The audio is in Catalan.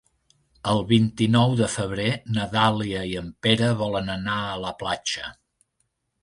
El vint-i-nou de febrer na Dàlia i en Pere volen anar a la platja.